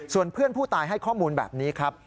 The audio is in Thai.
ส่วนเพื่อนผู้ตายให้ข้อมูลแบบนี้ครับ